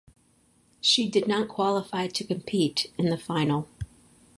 She did not qualify to compete in the final.